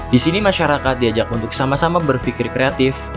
di sini masyarakat diajak untuk sama sama berpikir kreatif